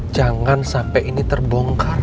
jangan sampai ini terbongkar